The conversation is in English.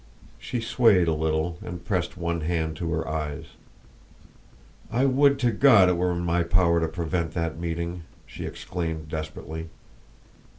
She swayed a little and pressed one hand to her eyes. "I would to God it were in my power to prevent that meeting!" she exclaimed desperately.